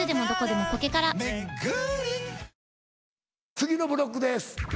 次のブロックです。